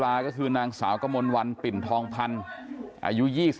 ไม่ได้คักคืนแหล่ะวะโลกไว้แล้วพี่ไข่โลกไว้แล้วพี่ไข่